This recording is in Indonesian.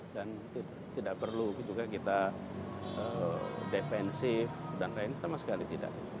dan tidak perlu juga kita defensif dan lain sama sekali tidak